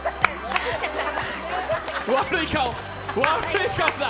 悪い顔だ。